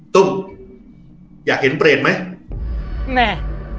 ตุ๊บอยากเห็นเปรตไหมแม่